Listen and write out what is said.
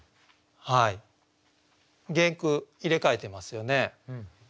原句入れ替えてますよね。